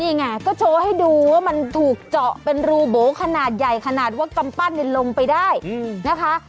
นี่ไงก็โชว์ให้ดูว่ามันถูกเจาะเป็นรูโบขนาดใหญ่ขนาดว่ากำปั้นลงไปได้นะคะ